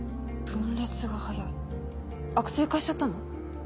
分裂が早い悪性化しちゃったの？